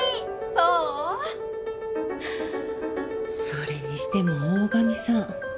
それにしても大神さん